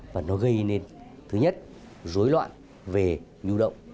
và nó gây nên thứ nhất dối loạn về lưu động